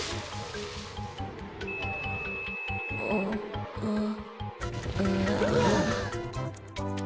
あっああ。